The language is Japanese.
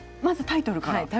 まずタイトルから。